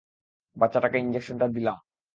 বাচ্চাটাকে ইনজেকশনটা দিলাম।